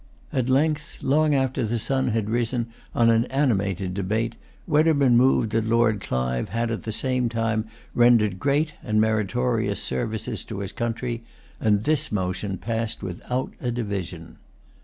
At length, long after the sun had risen on an animated debate, Wedderburne moved that Lord Clive had at the same time rendered great and meritorious services to his country; and this motion passed without a division.